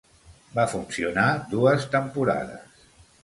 Va funcionar dues temporades.